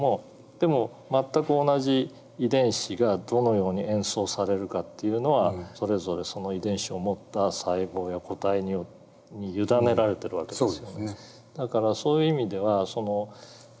でも全く同じ遺伝子がどのように演奏されるかっていうのはそれぞれその遺伝子を持った細胞や個体に委ねられてる訳ですよ。